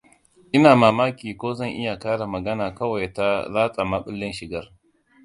Ina mamaki ko zan iya ƙara magana kawai ta latsa maɓallin Shigar.